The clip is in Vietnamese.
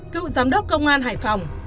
cựu giám đốc công an hải phòng